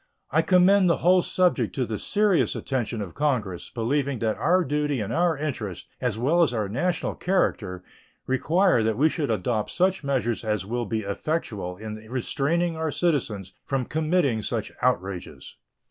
I commend the whole subject to the serious attention of Congress, believing that our duty and our interest, as well as our national character, require that we should adopt such measures as will be effectual in restraining our citizens from committing such outrages.